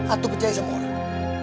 atau percaya sama orang